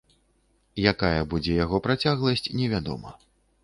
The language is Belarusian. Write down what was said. Якая будзе яго працягласць, невядома.